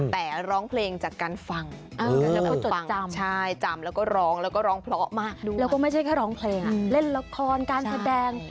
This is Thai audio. พล่อยพล่อยพล่อยพล่อยพล่อยพล่อยพล่อยพล่อยพล่อยพล่อยพล่อย